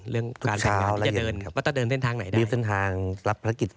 เรื่องทางเล่นแล้วการเดิน